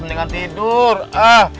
mendingan tidur ah